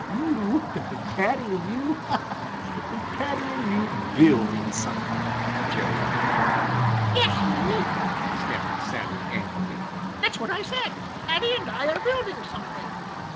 "You! Paddy and you! Ha, ha! Paddy and you building something!" Jerry laughed. "Yes, me!" snapped Sammy angrily. "That's what I said; Paddy and I are building something."